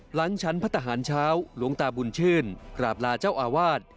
หลังชั้นพระทหารเช้าหลวงตาบุญชื่นกราบลาเจ้าอาวาส